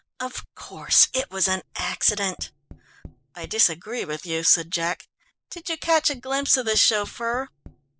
"Of course it was an accident!" "I disagree with you," said Jack. "Did you catch a glimpse of the chauffeur?"